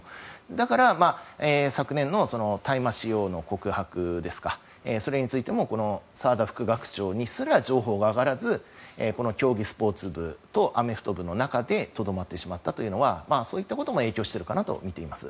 だから、昨年の大麻使用の告白それについても澤田副学長にすら情報が上がらずこの競技スポーツ部とアメフト部の中でとどまってしまったというのはそういったことも影響しているかなとみています。